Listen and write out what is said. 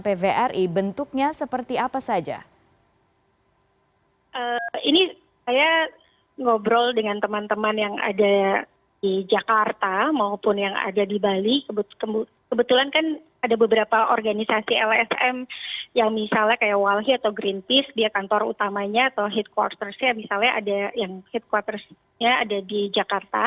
pembangunan pvri bentuknya seperti apa saja